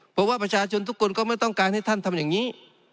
เพราะว่าประชาชนทุกคนก็ไม่ต้องการให้ท่านทำอย่างนี้